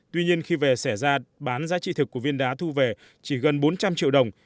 tuy nhiên khi về xẻ ra bán giá trị thực của viên đá thu về chỉ gần bốn trăm linh triệu đồng